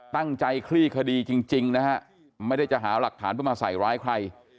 คลี่คดีจริงนะฮะไม่ได้จะหาหลักฐานเพื่อมาใส่ร้ายใคร